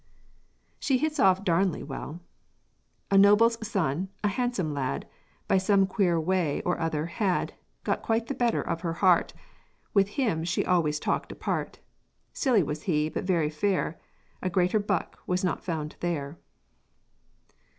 She hits off Darnley well: "A noble's son, a handsome lad, By some queer way or other, had Got quite the better of her heart; With him she always talked apart: Silly he was, but very fair; A greater buck was not found there."